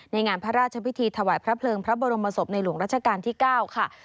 งานพระราชพิธีถวายพระเพลิงพระบรมศพในหลวงรัชกาลที่๙ค่ะ